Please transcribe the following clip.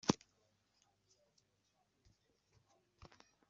Yusu-d.